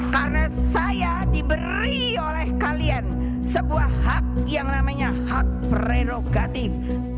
karena saya diberi oleh kalian sebuah hak yang namanya hak prerogatif